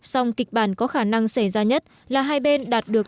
song kịch bản có khả năng xảy ra nhất là hai bên đạt được